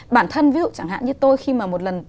bản thân ví dụ chẳng hạn như tôi khi mà một lần